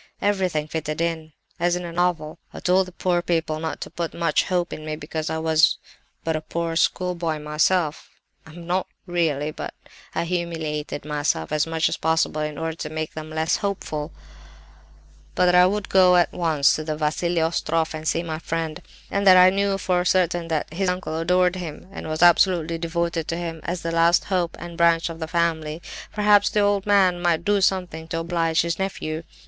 Everything fitted in, as in a novel. I told the poor people not to put much hope in me, because I was but a poor schoolboy myself—(I am not really, but I humiliated myself as much as possible in order to make them less hopeful)—but that I would go at once to the Vassili Ostroff and see my friend; and that as I knew for certain that his uncle adored him, and was absolutely devoted to him as the last hope and branch of the family, perhaps the old man might do something to oblige his nephew.